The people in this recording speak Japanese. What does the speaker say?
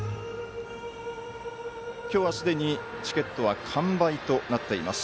今日はすでにチケットは完売となっています。